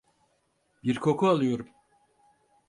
Bir koku alıyorum.